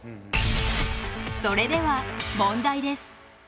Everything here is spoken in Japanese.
それでは問題です。